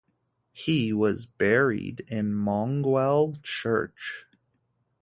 He was buried in Mongewell Church.